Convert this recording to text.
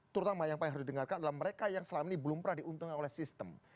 terutama yang paling harus didengarkan adalah mereka yang selama ini belum pernah diuntungkan oleh sistem